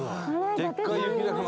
でっかい雪だるま。